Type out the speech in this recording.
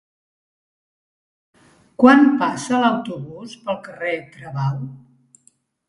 Quan passa l'autobús pel carrer Travau?